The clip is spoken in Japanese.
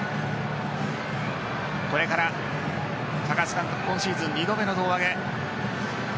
これから高津監督今シーズン２度目の胴上げ。